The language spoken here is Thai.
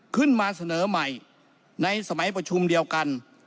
ขึ้นมาเสนอใหม่ในสมัยประชุมเดียวกัน